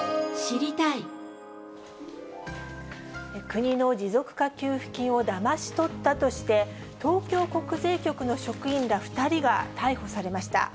国の持続化給付金をだまし取ったとして、東京国税局の職員ら２人が逮捕されました。